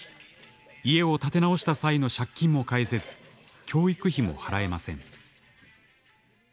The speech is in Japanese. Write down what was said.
家を建て直した際の借金も返せず教育費も払えません。